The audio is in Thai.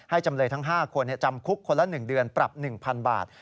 จำเลยทั้ง๕คนจำคุกคนละ๑เดือนปรับ๑๐๐๐บาท